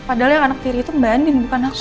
padahal yang anak tiri itu mbak andien bukan aku